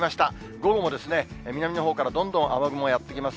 午後も、南のほうからどんどん雨雲やって来ます。